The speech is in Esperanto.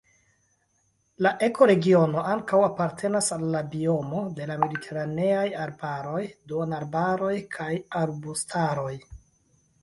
La ekoregiono ankaŭ apartenas al la biomo de la mediteraneaj arbaroj, duonarbaroj kaj arbustaroj.